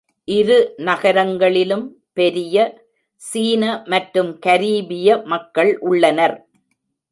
இரு நகரங்களிலும் பெரிய சீன மற்றும் கரீபிய மக்கள் உள்ளனர்.